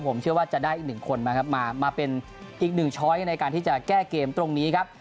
ผมเชื่อว่าจะได้อีก๑คนมาเป็นอีก๑ช้อยในการที่จะแก้เกมตรงนี้ครับ